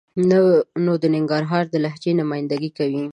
نو د ننګرهار د لهجې نماینده ګي کوي.